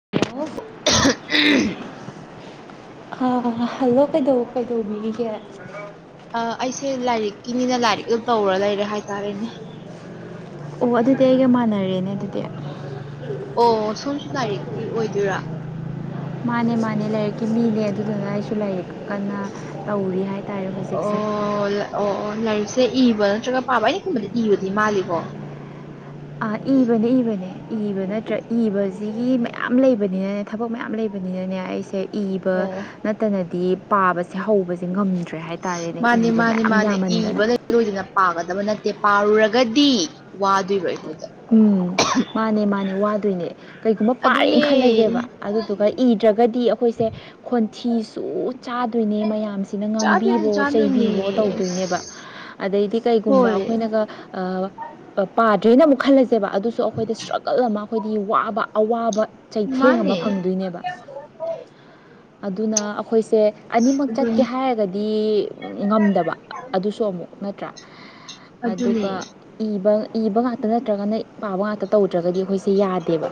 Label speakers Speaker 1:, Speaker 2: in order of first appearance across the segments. Speaker 1: [unintelligible]
Speaker 2: hello ꯀꯩꯗ ꯀꯩꯗꯧꯕꯤꯒꯦ
Speaker 1: ꯑ ꯑꯩꯁꯦ ꯂꯥꯏꯔꯤꯛꯀꯤꯅꯤꯅ ꯂꯥꯏꯔꯤꯛ ꯑꯗꯨ ꯇꯧꯔ ꯂꯩꯔꯦ ꯍꯥꯏꯇꯥꯔꯦꯅꯦ
Speaker 2: ꯑꯣ ꯑꯗꯨꯗꯤ ꯑꯩꯒ ꯃꯥꯟꯅꯔꯦꯅꯦ ꯑꯗꯨꯗꯤ
Speaker 1: ꯑꯣ ꯁꯣꯨꯝꯁꯨ ꯂꯥꯏꯔꯤꯛꯀꯤ ꯑꯣꯏꯗꯣꯏꯔꯥ
Speaker 2: ꯃꯥꯅꯦ ꯃꯥꯅꯦ ꯂꯥꯏꯔꯤꯛꯀꯤ ꯃꯤꯅꯦ ꯑꯗꯨꯗꯨꯅ ꯑꯩꯁꯨ ꯂꯥꯏꯔꯤꯛ ꯀꯟꯅ ꯇꯧꯔꯤ ꯍꯥꯏ
Speaker 1: ꯑꯣ ꯑꯣ ꯑꯣ ꯂ ꯁꯤꯗ ꯏꯕ ꯅꯠꯇ꯭ꯔꯒ ꯄꯥꯕ ꯑꯅꯤꯒꯨꯝꯕꯗ ꯏꯕꯗꯤ ꯃꯥꯜꯂꯤꯀꯣ
Speaker 2: ꯑ ꯏꯕꯅꯦ ꯏꯕꯅꯦ ꯏꯕ ꯅꯠꯇ꯭ꯔ ꯏꯕꯁꯤꯒꯤ ꯃꯌꯥꯝ ꯂꯩꯕꯅꯤꯅꯅꯦ ꯊꯕꯛ ꯃꯌꯥꯝ ꯂꯩꯕꯅꯤꯅꯅꯦ ꯑꯩꯁꯦ ꯏꯕ
Speaker 1: ꯑꯣ
Speaker 2: ꯅꯠꯇꯅꯗꯤ ꯄꯥꯕꯁꯦ ꯍꯧꯕꯁꯦ ꯉꯝꯃꯦ
Speaker 1: ꯃꯥꯅꯤ ꯃꯥꯅꯤ ꯃꯥꯅꯦ ꯏꯕ ꯂꯣꯏꯗꯅ ꯄꯥꯒꯗꯕ ꯅꯠꯇꯦ ꯠꯇꯦ ꯄꯥꯔꯨꯔꯒꯗꯤ ꯋꯥꯗꯣꯏꯔꯣꯏ
Speaker 2: ꯎꯝ ꯃꯥꯅꯦ ꯃꯥꯅꯦ ꯋꯥꯗꯣꯏꯅꯦ ꯀꯩꯒꯨꯝꯕ
Speaker 1: ꯑꯗꯨꯅꯦ
Speaker 2: ꯄꯥꯔꯦꯅ ꯈꯜꯂꯁꯦꯕ ꯑꯗꯨꯗꯨꯒ ꯏꯗ꯭ꯔꯒꯗꯤ ꯑꯩꯈꯣꯏꯁꯦ ꯊꯤꯁꯨ ꯆꯥ ꯆ ꯇꯣꯏꯅꯦ ꯃꯌꯥꯝꯁꯤꯅ
Speaker 1: ꯆꯥꯗꯣꯏꯅꯦ
Speaker 2: ꯉꯥꯡꯕꯤꯕꯣ
Speaker 1: ꯆꯥꯗꯣꯏꯅꯦ
Speaker 2: ꯆꯩꯕꯤꯕꯣ ꯇꯧꯗꯣꯏꯅꯦꯕ
Speaker 1: ꯑꯁ,
Speaker 2: ꯑꯗꯩꯗꯤ ꯀꯩꯒꯨꯝꯕ
Speaker 1: ꯍꯣꯏ
Speaker 2: ꯑꯩꯈꯣꯏꯅ ꯄꯥꯗ꯭ꯔꯤꯅ ꯑꯃꯨꯛ ꯈꯜꯂꯁꯦꯕ ꯑꯗꯨꯁꯨ ꯑꯩꯈꯣꯏꯗ ꯏꯁꯇ꯭ꯔꯒꯜ ꯑꯃ ꯑꯩꯈꯣꯏꯗꯤ ꯋꯥꯕ ꯑꯋꯥꯕ ꯆꯩꯊꯦꯡ ꯑꯃ
Speaker 1: ꯃꯥꯅꯦ
Speaker 2: ꯐꯪꯗꯣꯏꯅꯦꯕ ꯑꯗꯨꯅ ꯑꯩꯈꯣꯏ ꯁꯦ ꯑꯅꯤꯃꯛ
Speaker 1: ꯑꯗꯨꯅꯤ
Speaker 2: ꯆꯠꯀꯦ ꯍꯥꯏꯔꯒꯗꯤ ꯉꯝꯗꯕ ꯑꯗꯨꯁꯨ ꯑꯃꯨꯛ ꯅꯠꯇ꯭ꯔꯥ
Speaker 1: ꯑꯗꯨꯅꯦ
Speaker 2: ꯑꯗꯨꯒ ꯏꯕ ꯏꯕ ꯉ ꯑꯗꯨ ꯅꯠꯇ꯭ꯔꯒꯅ ꯄꯥꯕ ꯉꯥꯛꯇ ꯇꯧꯗ꯭ꯔꯒꯗꯤ ꯑꯩꯈꯣꯏꯁꯦ ꯌꯥꯗꯦꯕ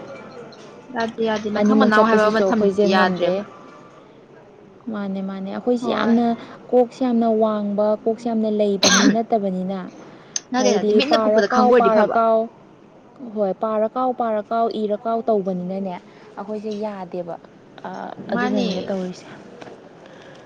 Speaker 1: ꯌꯥꯗꯦ ꯌꯥꯗꯦ ꯃꯊꯪ
Speaker 2: ꯑꯅꯤꯃꯛ
Speaker 1: ꯃꯅꯥꯎ ꯍꯥꯏꯕ
Speaker 2: ꯆꯠꯄꯁꯤꯁꯨ
Speaker 1: ꯑꯃ ꯊꯝꯗꯤ
Speaker 2: ꯑꯩꯈꯣꯏꯁꯦ ꯉꯝꯗꯦ
Speaker 1: ꯌꯥꯗ꯭ꯔꯦꯕ
Speaker 2: ꯃꯥꯅꯦ ꯃꯥꯅꯦ ꯑꯩꯈꯣꯏꯁꯦ
Speaker 1: ꯍꯣꯏ
Speaker 2: ꯌꯥꯝꯅ ꯀꯣꯛꯁꯦ ꯌꯥꯝꯅ ꯋꯥꯡꯕ ꯀꯣꯛ ꯄꯛꯁ ꯌꯥꯝꯅ ꯂꯩꯕ ꯃꯤ ꯅꯠꯇꯕꯅꯤꯅ
Speaker 1: ꯅꯠꯇꯦ ꯅꯠꯇꯦ
Speaker 2: ꯍꯥꯏꯕꯗꯤ
Speaker 1: ꯃꯤꯠꯅ
Speaker 2: ꯄꯥꯔ
Speaker 1: ꯀꯨꯞꯄꯗ ꯈꯪꯕ
Speaker 2: ꯀꯥꯎ
Speaker 1: ꯑꯣꯏꯔꯗꯤ
Speaker 2: ꯄꯥꯔ
Speaker 1: ꯐꯕ
Speaker 2: ꯀꯥꯎ ꯍꯣꯏ ꯄꯥꯔ ꯀꯥꯎ ꯄꯥꯔ ꯀꯥꯎ ꯏꯔ ꯀꯥꯎ ꯇꯧꯕꯅꯤꯅꯅꯦ ꯑꯈꯣꯏꯁꯦ ꯌꯥꯗꯦꯕ ꯑꯗꯨꯗꯅꯤꯅꯦ
Speaker 1: ꯃꯥꯅꯦ
Speaker 2: ꯇꯧꯔꯤꯁꯦ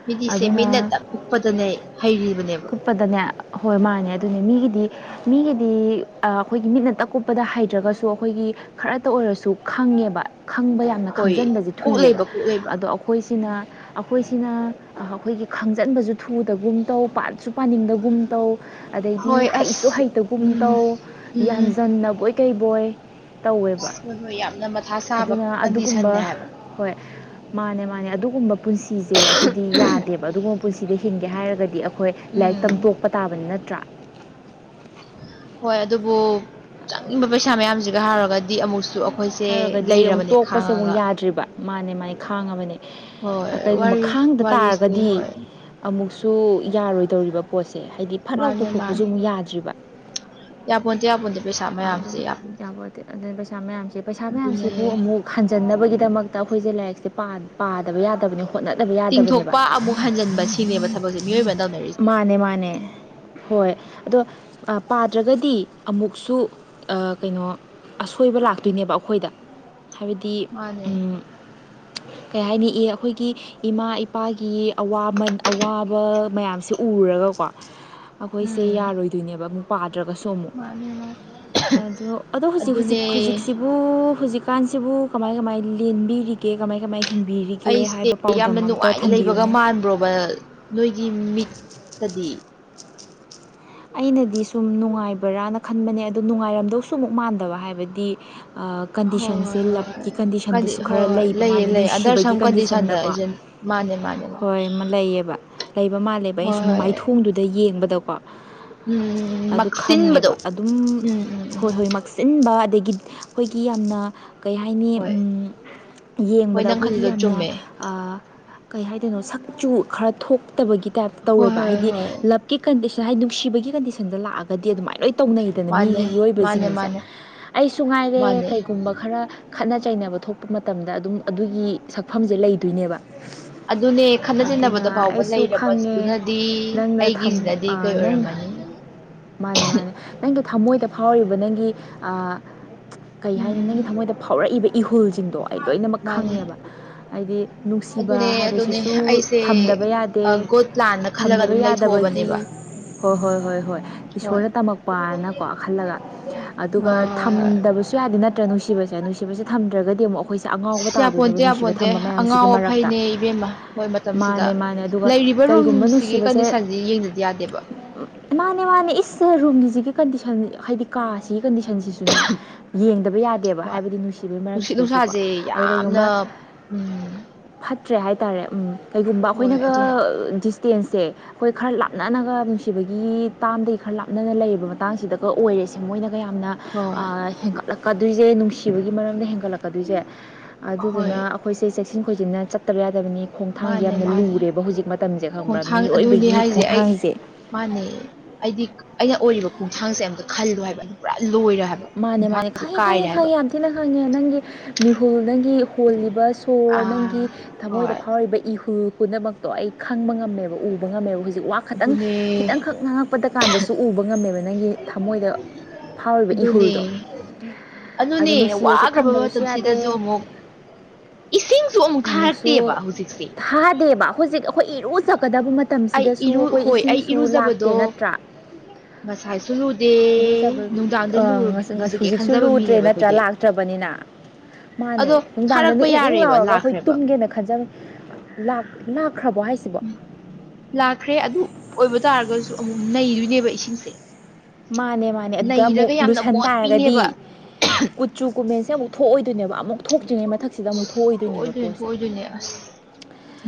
Speaker 1: ꯃꯤꯗꯤꯁꯦ ꯃꯤꯠꯅ
Speaker 2: ꯑꯗꯨꯅ
Speaker 1: ꯇꯞꯄꯗꯅꯦ ꯍꯩꯔꯤꯕꯅꯦꯕ
Speaker 2: ꯀꯨꯞꯄꯗꯅꯦ ꯍꯣꯏ ꯃꯥꯅꯦ ꯑꯗꯨꯅꯦ ꯃꯤꯒꯤꯗꯤ ꯃꯤꯒꯤꯗꯤ ꯑꯈꯣꯏꯒꯤ ꯃꯤꯠꯅ ꯇꯛ ꯀꯨꯞꯄꯗ ꯍꯩꯗ꯭ꯔꯒꯁꯨ ꯑꯈꯣꯏꯒꯤ ꯈꯔꯇ ꯑꯣꯏꯔꯁꯨ ꯈꯪꯉꯦꯕ ꯈꯪꯕ ꯌꯥꯝꯅ
Speaker 1: ꯍꯣꯏ
Speaker 2: ꯈꯪꯖꯤꯟꯕꯁꯦ
Speaker 1: ꯀꯣꯛ
Speaker 2: ꯊꯨꯏꯌꯦꯕ
Speaker 1: ꯂꯩꯕ ꯀꯣꯛ ꯂꯩꯕ
Speaker 2: ꯑꯗꯣ ꯑꯈꯣꯏꯁꯤꯅ ꯑꯈꯣꯏꯁꯤꯅ ꯑꯈꯣꯏꯒꯤ ꯈꯪꯖꯟꯕꯁꯨ ꯊꯨꯗꯒꯨꯝ ꯇꯧ ꯄꯥꯁꯨ ꯄꯥꯅꯤꯡꯗꯒꯨꯝ ꯇꯧ ꯑꯗꯩꯗꯤ
Speaker 1: ꯍꯣꯏ
Speaker 2: ꯍꯩꯁꯨ
Speaker 1: ꯑꯁ
Speaker 2: ꯍꯩꯇꯒꯨꯝ
Speaker 1: ꯎꯝ
Speaker 2: ꯇꯧ
Speaker 1: ꯎꯝ
Speaker 2: ꯌꯥꯟꯖꯟꯅꯕꯣꯏ ꯀꯩꯕꯣꯏ ꯇꯧꯋꯦꯕ
Speaker 1: ꯑꯁ ꯍꯣꯏ ꯍꯣꯏ ꯌꯥꯝꯅ ꯃꯊꯥ ꯁꯥꯕ
Speaker 2: ꯑꯗꯨꯅ
Speaker 1: ꯀꯟꯗꯤꯁꯟꯅꯦ
Speaker 2: ꯑꯗꯨꯒꯨꯝꯕ
Speaker 1: ꯍꯥꯏꯕ
Speaker 2: ꯍꯣꯏ ꯃꯥꯅꯦ ꯃꯥꯅꯦ ꯑꯗꯨꯒꯨꯝꯕ ꯄꯨꯟꯁꯤꯁꯦ ꯑꯗꯨꯗꯤ ꯌꯥꯗꯦꯕ ꯑꯗꯨꯒꯨꯝꯕ ꯄꯨꯟꯁꯤꯗ ꯍꯤꯡꯒꯦ ꯍꯥꯏꯔꯒꯗꯤ ꯑꯈꯣꯏ ꯂꯥꯏꯔꯤꯛ ꯇꯝ
Speaker 1: ꯎꯝ
Speaker 2: ꯇꯣꯛꯄ ꯇꯥꯕꯅꯤ ꯇ꯭ꯔꯥ
Speaker 1: ꯍꯣꯏ ꯑꯗꯨꯕꯨ ꯆꯪꯉꯤꯕ ꯄꯩꯁꯥ ꯃꯌꯥꯝꯁꯤꯒ ꯍꯥꯏꯔꯨꯔꯒꯗꯤ ꯑꯃꯨꯛꯁꯨ ꯑꯩꯈꯣꯏꯁꯦ
Speaker 2: ꯍꯥꯏꯔꯨꯒꯗꯤ ꯑꯃꯨꯛ
Speaker 1: ꯂꯩꯔꯕꯅꯦ
Speaker 2: ꯇꯣꯛꯄꯁꯦ ꯑꯃꯨꯛ
Speaker 1: ꯈꯥꯡꯉꯒ
Speaker 2: ꯌꯥꯗ꯭ꯔꯤꯕ ꯃꯥꯅꯦ ꯃꯥꯥꯏ ꯈꯥꯡꯉꯕꯅꯦ
Speaker 1: ꯍꯣꯏ
Speaker 2: ꯀꯩꯒꯨꯝꯕ
Speaker 1: ꯋꯥꯔꯤ
Speaker 2: ꯈꯥꯡꯗ
Speaker 1: ꯋꯥꯔꯤꯁꯦ
Speaker 2: ꯇꯥꯔꯒꯗꯤ
Speaker 1: ꯍꯣꯏ
Speaker 2: ꯑꯃꯨꯛ ꯁꯨ ꯌꯥꯔꯣꯏꯗꯧꯔꯤꯕ ꯄꯣꯠꯁꯦ ꯍꯥꯏꯗꯤ ꯐꯠ ꯂꯥꯎ
Speaker 1: ꯃꯥꯅꯦ
Speaker 2: ꯇꯧꯊꯣꯛꯄꯁꯨ
Speaker 1: ꯃꯥꯅꯦ
Speaker 2: ꯑꯃꯨꯛ ꯌꯥꯗ꯭ꯔꯤꯕ
Speaker 1: ꯌꯥꯄꯣꯟꯇꯦ ꯌꯥꯄꯣꯟꯇꯦ ꯄꯩꯁꯥ ꯃꯌꯥꯝꯁꯦ
Speaker 2: ꯑꯗꯨꯅ
Speaker 1: ꯌꯥꯝ
Speaker 2: ꯌꯥꯄꯣꯟꯇꯦ ꯑꯗꯨꯅ ꯄꯩꯁꯥ ꯃꯌꯥꯝꯁꯦ ꯄꯩꯁꯥ
Speaker 1: ꯑꯗꯨꯅꯦ
Speaker 2: ꯃꯌꯥꯝꯁꯤꯕꯨ ꯑꯃꯨꯛ ꯍꯟꯖꯟꯅꯕꯒꯤ ꯗꯃꯛꯇ ꯑꯈꯣꯏꯁꯦ ꯂꯥꯏꯔꯤꯛꯁꯦ ꯄꯥꯗꯕ ꯌꯥꯗꯕꯅꯤ ꯍꯣꯠꯅꯗꯕ ꯌꯥꯗꯕꯅꯦꯕ
Speaker 1: ꯇꯤꯡꯊꯣꯛꯄ ꯑꯃꯨꯛ ꯍꯟꯖꯤꯟꯕ ꯁꯤꯅꯦꯕ ꯊꯕꯛꯁꯦ ꯃꯤꯑꯣꯏꯕꯅ ꯇꯧꯅꯔꯤꯁꯦ
Speaker 2: ꯃꯥꯅꯦ ꯃꯥꯅꯦ ꯍꯣꯏ ꯑꯗꯣ ꯄꯥꯗ꯭ꯔꯒꯗꯤ ꯑꯃꯨꯛꯁꯨ ꯑ ꯀꯩꯅꯣ ꯑꯁꯣꯏꯕ ꯂꯥꯛꯇꯣꯏꯅꯦꯕ ꯑꯈꯣꯏꯗ ꯍꯥꯏꯕꯗꯤ
Speaker 1: ꯃꯥꯅꯦ
Speaker 2: ꯎꯝ ꯀꯩ ꯍꯥꯏꯅꯤ ꯏ ꯑꯈꯣꯏꯒꯤ ꯏꯃꯥ ꯏꯄꯥꯒꯤ ꯑꯋꯥꯃꯟ ꯑꯋꯥꯕ ꯃꯌꯥꯝꯁꯦ ꯎꯔꯒ ꯑꯗꯨꯒꯀꯣ ꯑꯈꯣꯏꯁꯦ
Speaker 1: ꯎꯝ
Speaker 2: ꯌꯥꯔꯣꯏꯗꯣꯏꯅꯦꯕ ꯑꯃꯨꯛ ꯄꯥꯗ꯭ꯔꯒꯁꯨ ꯑꯃꯨꯛ
Speaker 1: ꯃꯥꯅꯦ ꯃꯥꯅꯦ
Speaker 2: ꯑꯣ ꯑꯗꯣ ꯍꯨꯖꯤꯛ ꯍꯨꯖꯤꯛ
Speaker 1: ꯑꯗꯨꯅꯦ
Speaker 2: ꯍꯨꯖꯤꯛꯁꯤꯕꯨ ꯍꯨꯖꯤꯛ ꯀꯥꯟꯁꯤꯕꯨ ꯀꯃꯥꯏ ꯀꯃꯥꯏ ꯂꯦꯟꯕꯤꯔꯤ
Speaker 1: ꯑꯩꯁꯦ ꯌꯥꯝꯅ
Speaker 2: ꯑꯝꯇ
Speaker 1: ꯅꯨꯡꯉꯥꯏꯅ ꯂꯩꯕꯒ
Speaker 2: ꯊꯝꯕꯤꯌꯨꯅꯦ
Speaker 1: ꯃꯥꯟꯕ꯭ꯔꯣꯕ ꯅꯣꯏꯒꯤ ꯃꯤꯠ ꯇꯗꯤ
Speaker 2: ꯑꯩꯅꯗꯤ ꯁꯨꯝ ꯅꯨꯡꯉꯥꯏꯕ꯭ꯔꯅ ꯈꯟꯕꯅꯦ ꯑꯗ ꯅꯨꯡꯉꯥꯏꯔꯝꯗꯧꯁꯨ ꯑꯃꯨꯛ ꯃꯥꯟꯗꯕ ꯍꯥꯏꯕꯗꯤ
Speaker 1: ꯍꯣꯏ
Speaker 2: ꯀꯟꯗꯤꯁꯟꯁꯦ
Speaker 1: ꯍꯣꯏ ꯍꯣꯏ
Speaker 2: ꯂꯞꯀꯤ
Speaker 1: ꯀꯗꯤ
Speaker 2: ꯀꯟꯗꯤꯁꯟꯗꯁꯨ
Speaker 1: ꯍꯣꯏ
Speaker 2: ꯈꯔ
Speaker 1: ꯍꯣꯏ
Speaker 2: ꯂꯩꯕ
Speaker 1: ꯂꯩꯌꯦ
Speaker 2: ꯃꯥꯜꯂꯦ
Speaker 1: ꯂꯩꯌꯦ ꯑꯟꯗꯔ
Speaker 2: ꯅꯨꯡꯁꯤꯕꯒꯤ
Speaker 1: ꯁꯝ ꯀꯟꯗꯤꯁꯟꯗ
Speaker 2: ꯀꯟꯗꯤꯁꯟꯗꯀꯣ
Speaker 1: ꯑꯩꯁꯦ ꯃꯥꯅꯦ ꯃꯥꯅꯦ ꯃꯥꯅꯦ
Speaker 2: ꯍꯣꯏ ꯑꯃ ꯂꯩꯌꯦꯕ ꯂꯩꯕ ꯃꯥꯜꯂꯦꯕ ꯑꯩꯅ
Speaker 1: ꯍꯣꯏ
Speaker 2: ꯁꯨꯝ
Speaker 1: ꯍꯣꯏ
Speaker 2: ꯃꯥꯏꯊꯣꯡꯗꯨꯗ ꯌꯦꯡꯕꯗ
Speaker 1: ꯎꯝ
Speaker 2: ꯑꯗꯨ
Speaker 1: ꯃꯛꯁꯤꯟꯕꯗꯣ
Speaker 2: ꯈꯪꯉꯦꯕ ꯑꯗꯨꯝ
Speaker 1: ꯎꯝ ꯎꯝ
Speaker 2: ꯍꯣꯏ
Speaker 1: ꯎꯝ
Speaker 2: ꯍꯣꯏ ꯃꯛꯁꯤꯟꯕ ꯑꯗꯒꯤ ꯑꯈꯣꯏꯒꯤ ꯌꯥꯝꯅ ꯀꯩ ꯍꯥꯏꯅꯤ
Speaker 1: ꯍꯣꯏ ꯍꯣꯏ
Speaker 2: ꯌꯦꯡꯕꯗ
Speaker 1: ꯅꯪ
Speaker 2: ꯑꯈꯣꯏꯒꯤ
Speaker 1: ꯈꯜꯂꯤꯗꯣ
Speaker 2: ꯌꯥꯝꯅ
Speaker 1: ꯆꯨꯝꯃꯦ
Speaker 2: ꯑꯥ ꯀꯩ ꯍꯥꯏꯗꯣꯏꯅꯣ ꯁꯛꯆꯨ ꯈꯔ ꯊꯣꯛꯇꯕꯒꯤ ꯇꯥꯏꯞꯇ
Speaker 1: ꯍꯣꯏ
Speaker 2: ꯇꯧꯋꯦꯕ
Speaker 1: ꯍꯣꯏ
Speaker 2: ꯍꯥꯏꯗꯤ
Speaker 1: ꯍꯣꯏ
Speaker 2: ꯂꯞꯀꯤ ꯀꯟꯗꯤꯁꯟ ꯉꯁꯥꯏ ꯅꯨꯡꯁꯤꯕꯒꯤ ꯀꯟꯗꯤꯁꯟꯗ ꯂꯥꯛꯑꯗꯤ ꯑꯗꯨꯃꯥꯏ ꯂꯣꯏ ꯇꯧꯅꯩꯗꯅ
Speaker 1: ꯃꯥꯅꯦ
Speaker 2: ꯃꯤꯒꯤ
Speaker 1: ꯃꯥꯅꯦ
Speaker 2: ꯌꯣꯏꯕꯁꯤꯡꯁꯦ
Speaker 1: ꯃꯥꯅꯦ
Speaker 2: ꯑꯩꯁꯨ ꯉꯥꯏꯔꯦ
Speaker 1: ꯃꯥꯅꯦ
Speaker 2: ꯀꯩꯒꯨꯝꯕ ꯈꯔ ꯈꯠꯅ ꯆꯩꯅꯕ ꯊꯣꯛꯄ ꯃꯇꯝꯗ ꯑꯗꯨꯝ ꯑꯗꯨꯒꯤ ꯁꯛꯐꯝꯁꯦ ꯂꯩꯗꯣꯏꯅꯦꯕ
Speaker 1: ꯑꯗꯨꯅꯦ ꯈꯠꯅ ꯆꯩꯟꯅꯕꯗ
Speaker 2: ꯑꯗꯨꯅ
Speaker 1: ꯐꯥꯎꯕ
Speaker 2: ꯑꯩꯁꯨ ꯈꯪꯉꯦ
Speaker 1: ꯂꯩꯔꯕꯗꯨꯅꯗꯤ
Speaker 2: ꯅꯪꯅ
Speaker 1: ꯑꯩꯒꯤꯁꯤꯅꯗꯤ
Speaker 2: ꯑ
Speaker 1: ꯀꯩ
Speaker 2: ꯅꯪ
Speaker 1: ꯑꯣꯏꯔꯝꯃꯅꯤ
Speaker 2: ꯃꯥꯅꯦ ꯃꯥꯅꯦ ꯅꯪꯗꯣ ꯊꯃꯣꯏꯗ ꯐꯥꯎꯔꯤꯕ ꯅꯪꯒꯤ ꯀꯩ ꯍꯥꯏꯅꯤ
Speaker 1: ꯎꯝ
Speaker 2: ꯅꯪꯒꯤ ꯊꯃꯣꯏꯗ ꯐꯥꯎꯔꯛꯏꯕ ꯏꯍꯨꯜꯁꯦ ꯁꯤꯡꯗꯣ ꯑꯩ ꯂꯣꯏꯅꯃꯛ
Speaker 1: ꯃꯥꯅꯦ
Speaker 2: ꯈꯪꯉꯦꯕ ꯍꯥꯏꯗꯤ ꯅꯨꯡꯁꯤꯕ
Speaker 1: ꯑꯗꯨꯅꯦ ꯑꯗꯨꯅꯦ
Speaker 2: ꯍꯥꯏꯕꯁꯤꯁꯨ
Speaker 1: ꯑꯩꯁꯦ
Speaker 2: ꯊꯝꯗꯕ ꯌꯥꯗꯦ ꯗꯦ
Speaker 1: ꯒꯣꯗ ꯄ꯭ꯂꯥꯟꯅ ꯈꯜꯂꯒ
Speaker 2: ꯊꯝꯗꯕ
Speaker 1: ꯑꯗꯨꯝ ꯂꯩꯊꯣꯛꯑꯕꯅꯦꯕ
Speaker 2: ꯌꯥꯗꯕꯒꯤ ꯍꯣꯏ ꯍꯣꯏ ꯍꯣꯏ ꯍꯣꯏ
Speaker 1: ꯍꯣꯏ
Speaker 2: ꯏꯁꯣꯔꯅ ꯇꯝꯃꯛꯄꯅꯀꯣ ꯈꯜꯂꯒ ꯑꯗꯨꯒ ꯊꯝꯗꯕꯁꯨ ꯌꯥꯗꯦ ꯅꯠꯇ꯭ꯔ ꯅꯨꯡꯁꯤꯕꯁꯦ ꯅꯨꯡꯁꯤꯕꯁꯦ ꯊꯝꯗ꯭ꯔꯒꯗꯤ ꯑꯃꯨꯛ ꯑꯈꯣꯏꯁꯦ
Speaker 1: ꯌꯥꯄꯣꯟꯇꯦ ꯌꯥꯄꯣꯟꯇꯦ ꯑꯉꯥꯎ
Speaker 2: ꯃꯔꯛꯇ
Speaker 1: ꯑꯐꯩꯅꯦ ꯏꯕꯦꯝꯃ ꯍꯣꯏ ꯃꯇꯝꯁꯤꯗ
Speaker 2: ꯃꯥꯅꯦ ꯃꯥꯅꯦ ꯑꯗꯨꯒ
Speaker 1: ꯂꯩꯔꯤꯕ
Speaker 2: ꯀꯔꯤꯒꯨꯝꯕ
Speaker 1: ꯔꯨꯝꯁꯤꯒꯤ
Speaker 2: ꯅꯨꯡꯁꯤꯕꯁꯦ
Speaker 1: ꯀꯟꯗꯤꯁꯟꯁꯤ ꯌꯦꯡꯗꯗꯤ ꯌꯥꯗꯦ
Speaker 2: [unintelligible] ꯃꯥꯅꯦ ꯃꯥꯅꯦ ꯏꯁ ꯔꯨꯝꯒꯤꯁꯤꯒꯤ ꯀꯟꯗꯤꯁꯟ ꯍꯥꯏꯗꯤ ꯀꯥꯁꯤꯒꯤ ꯀꯟꯗꯤꯁꯟꯁꯤꯁꯨꯅꯦ ꯌꯦꯡ ꯍꯥꯏ
Speaker 1: ꯍꯣꯏ
Speaker 2: ꯅꯨꯡ ꯃꯔ ꯑ
Speaker 1: ꯅꯨꯡꯁꯤꯠ ꯅꯨꯡꯁꯥꯁꯦ
Speaker 2: ꯀꯩꯒꯨꯝꯕ
Speaker 1: ꯌꯥꯝꯅ ꯎꯝ
Speaker 2: ꯐꯠꯇ꯭ꯔꯦ ꯍꯥꯏꯇꯥꯔꯦ ꯎꯝ ꯀꯩꯒꯨꯝꯕ
Speaker 1: ꯍꯣꯏ
Speaker 2: ꯑꯩꯈꯣꯏꯅꯒ
Speaker 1: ꯑꯗꯨꯅ
Speaker 2: ꯗꯤꯁꯇꯦꯟꯁꯁꯦ ꯑꯩꯈꯣꯏ ꯈꯔ ꯂꯥꯞꯅꯅꯒ ꯅꯨꯡꯁꯤꯕꯒꯤ ꯇꯥꯝꯗꯒꯤ ꯈꯔ ꯂꯥꯞꯅꯅ ꯂꯩꯔꯤꯕꯔꯕ ꯃꯇꯥꯡꯁꯤꯗꯒ ꯑꯣꯏꯔꯦꯁꯦ ꯃꯣꯏꯅ ꯌꯥꯝꯅ
Speaker 1: ꯍꯣꯏ
Speaker 2: ꯍꯦꯟꯒꯠꯂꯛꯀꯗꯣꯏꯁꯦ ꯅꯨꯡꯁꯤꯕꯒꯤ ꯃꯔꯝꯗ ꯍꯒꯠ ꯍꯦꯟꯒꯠꯂꯛꯀꯗꯣꯏꯁꯦ
Speaker 1: ꯍꯣꯏ
Speaker 2: ꯑꯗꯨꯗꯨꯅ ꯑꯩꯈꯣꯏꯁꯦ ꯆꯦꯛꯁꯤꯟ ꯈꯣꯏꯁꯤꯟꯅ ꯆꯠꯇꯕ ꯌꯥꯗꯕꯅꯤ ꯈꯣꯡꯊꯥꯡꯁꯦ
Speaker 1: ꯃꯥꯅꯦ
Speaker 2: ꯌꯥꯝꯅ
Speaker 1: ꯃꯥꯅꯦ
Speaker 2: ꯂꯨꯔꯦꯕ ꯍꯧꯖꯤꯛ ꯃꯇꯝꯁꯦ ꯈꯪꯕ꯭ꯔꯥ
Speaker 1: ꯈꯣꯡꯊꯥꯡ ꯑꯗꯨꯅꯤ
Speaker 2: ꯃꯤꯑꯣꯏꯕꯒꯤ
Speaker 1: ꯍꯥꯏꯁꯦ ꯑꯩ
Speaker 2: ꯈꯣꯡꯊꯥꯡꯁꯦ
Speaker 1: ꯃꯥꯅꯦ ꯑꯩꯗꯤ ꯑꯩꯅ ꯑꯣꯏꯔꯤꯕ ꯈꯣꯡꯊꯥꯡꯁꯦ ꯑꯝꯇ ꯈꯜꯂꯨ ꯍꯥꯏꯕ ꯑꯗꯨ ꯄꯨꯔꯥ ꯂꯣꯏꯔꯦ ꯍꯥꯏꯕ
Speaker 2: ꯃꯥꯅꯦ ꯃꯥꯅꯦ ꯈꯪꯉꯤ ꯈꯪꯉꯤ
Speaker 1: ꯀꯥꯏꯔꯦ ꯍꯥꯏꯕ
Speaker 2: ꯈꯪꯉꯤ ꯌꯥꯝ ꯊꯤꯅ ꯈꯪꯉꯦ ꯅꯪꯒꯤ ꯃꯤꯍꯨꯜ ꯅꯪꯒꯤ ꯍꯣꯜꯂꯤꯕ ꯁꯣꯔ ꯅꯪꯒꯤ
Speaker 1: ꯑꯥ
Speaker 2: ꯊꯃꯣꯏꯗ
Speaker 1: ꯍꯣꯏ
Speaker 2: ꯐꯥꯎꯏꯕ ꯏꯍꯨꯜ ꯄꯨꯝꯅꯃꯛꯇꯣ ꯑꯩ ꯈꯪꯕ ꯉꯝꯃꯦꯕ ꯎꯕ ꯉꯝꯃꯦꯕ ꯍꯧꯖꯤꯛ ꯋꯥ ꯈꯛꯇꯪ ꯈꯤꯇꯪ ꯈꯛ
Speaker 1: ꯑꯗꯨꯅꯦ
Speaker 2: ꯉꯥꯡꯉꯛꯄꯗ ꯀꯥꯟꯗꯁꯨ ꯎꯕ ꯉꯝꯃꯦꯕ ꯅꯪꯒꯤ ꯊꯃꯣꯏꯗ ꯐꯥꯎꯔꯤꯕ
Speaker 1: ꯑꯗꯨꯅꯦ
Speaker 2: ꯏꯍꯨꯜꯗꯣ ꯑꯗꯣ
Speaker 1: ꯑꯗꯨꯅꯦ
Speaker 2: ꯅꯨꯡꯁꯤꯕꯁꯦ
Speaker 1: ꯋꯥꯈ꯭ꯔꯕ
Speaker 2: ꯊꯝꯗꯕꯁꯨ ꯌꯥꯗꯦ
Speaker 1: ꯃꯇꯝꯁꯤꯗꯁꯨ ꯑꯃꯨꯛ ꯏꯁꯤꯡꯁꯨ ꯑꯃꯨꯛ
Speaker 2: ꯑꯃꯨꯛꯁꯨ
Speaker 1: ꯊꯥꯔꯛꯇꯦꯕ ꯍꯧꯖꯤꯛꯁꯦ
Speaker 2: ꯊꯥꯗꯦꯕ ꯍꯧꯖꯤꯛ ꯑꯩꯈꯣꯏ ꯏꯔꯨꯖꯄ ꯀꯗꯕ
Speaker 1: ꯑꯩ
Speaker 2: ꯃꯇꯝꯁꯤꯗꯁꯨ
Speaker 1: ꯏꯔꯨ
Speaker 2: ꯑꯩꯈꯣꯏ
Speaker 1: ꯍꯣꯏ ꯑꯩ
Speaker 2: ꯏꯁꯤꯡꯁꯨ ꯂꯥꯛꯇꯦ
Speaker 1: ꯏꯔꯨꯖꯕꯗꯣ
Speaker 2: ꯅꯠꯇ꯭ꯔꯥ
Speaker 1: ꯉꯁꯥꯏꯁꯨ ꯂꯨꯗꯦ
Speaker 2: ꯏꯔꯨꯖꯕ
Speaker 1: ꯅꯨꯡꯗꯥꯡꯗ
Speaker 2: ꯑ
Speaker 1: ꯂꯨꯖꯒꯦ
Speaker 2: ꯍꯧꯖꯤꯛꯁꯨ
Speaker 1: ꯈꯟꯖꯕ
Speaker 2: ꯂꯨꯗ꯭ꯔꯦ
Speaker 1: ꯃꯤꯅꯦꯕ
Speaker 2: ꯅꯠꯇ꯭ꯔꯥ
Speaker 1: ꯑꯩꯈꯣꯏꯗꯤ
Speaker 2: ꯂꯥꯛꯇ꯭ꯔꯕꯅꯤꯅ ꯃꯥꯅꯦ
Speaker 1: ꯑꯗꯣ
Speaker 2: ꯅꯨꯡꯗꯥꯡꯗꯅꯦ
Speaker 1: ꯊꯥꯔꯛꯄ
Speaker 2: ꯏꯪ ꯏꯪ
Speaker 1: ꯌꯥꯔꯦꯕ
Speaker 2: ꯂꯥꯎꯔꯒ ꯑꯩꯈꯣꯏ
Speaker 1: ꯂꯥꯛꯈ꯭ꯔꯦꯕ
Speaker 2: ꯇꯨꯝꯒꯦꯅ ꯈꯟꯖꯕ ꯂꯥꯛꯈ꯭ꯔꯕꯣ ꯍꯥꯏꯁꯤꯕꯣ
Speaker 1: ꯆꯈ꯭ꯔꯦ ꯑꯗꯨ ꯑꯣꯏꯕ ꯇꯥꯔꯒꯁꯨ ꯑꯃꯨꯛ ꯅꯩꯗꯣꯏꯅꯦꯕ ꯏꯁꯤꯡꯁꯦ
Speaker 2: ꯃꯥꯅꯦ ꯃꯥꯅꯦ ꯑꯗꯨꯗ ꯑꯃꯨꯛ
Speaker 1: ꯅꯩꯔꯒ ꯌꯥꯝꯅ
Speaker 2: ꯂꯨꯁꯟ ꯇꯥꯔꯒꯗꯤ
Speaker 1: ꯃꯣꯠꯄꯤꯅꯦꯕ
Speaker 2: ꯀꯠꯆꯨ ꯀꯨꯝꯃꯦꯟ ꯁꯤꯦ ꯑꯃꯨꯛ ꯊꯣꯛꯑꯣꯏꯗꯣꯏꯅꯦꯕ ꯑꯃꯨꯛ ꯊꯣꯛꯇ꯭ꯔꯤꯉꯩ ꯃꯇꯝ ꯃꯊꯛꯁꯤꯗ ꯑꯃꯨꯛ ꯊꯣꯛꯑꯣꯏꯗꯣꯏꯅꯦꯕ
Speaker 1: ꯊꯣꯛꯑꯣꯏꯗꯣꯏꯅꯦ
Speaker 2: ꯄꯣꯠꯁꯦ
Speaker 1: ꯊꯣꯛꯑꯣꯏꯗꯣꯏꯅꯦ ꯑꯁ